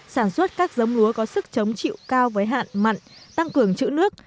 sản xuất các giống lúa có sức chống chịu cao với hạn mặn tăng cường chữ nước